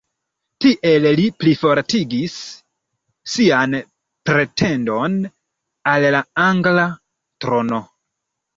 Tiel li plifortigis sian pretendon al la angla trono.